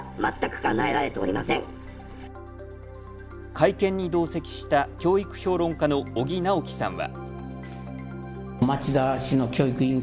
会見に同席した教育評論家の尾木直樹さんは。